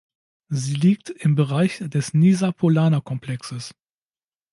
Sie liegt im Bereich des Nysa–Polana-Komplexes.